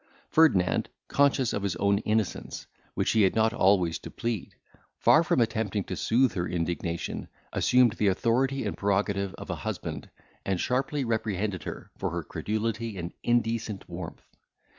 Ferdinand, conscious of his own innocence, which he had not always to plead, far from attempting to soothe her indignation, assumed the authority and prerogative of a husband, and sharply reprehended her for her credulity and indecent warmth.